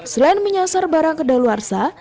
selain menyasar barang kedaluarsa